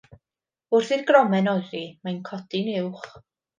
Wrth i'r gromen oeri, mae'n codi'n uwch.